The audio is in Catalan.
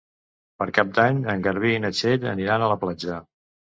Per Cap d'Any en Garbí i na Txell aniran a la platja.